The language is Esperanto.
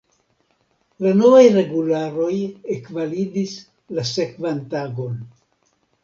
La novaj regularoj ekvalidis la sekvan tagon.